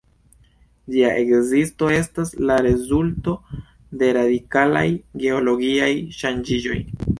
Ĝia ekzisto estas la rezulto de radikalaj geologiaj ŝanĝiĝoj.